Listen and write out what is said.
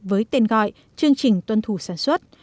với tên gọi chương trình tuân thủ sản xuất